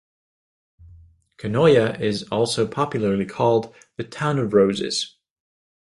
Kanoya is also popularly called the "Town of Roses".